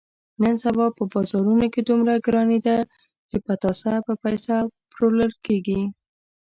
نن سبا په بازارونو کې دومره ګراني ده، چې پتاسه په پیسه پلورل کېږي.